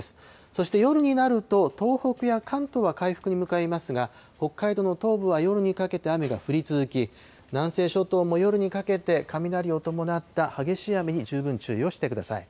そして夜になると、東北や関東は回復に向かいますが、北海道の東部は夜にかけて雨が降り続き、南西諸島も夜にかけて雷を伴った激しい雨に十分注意をしてください。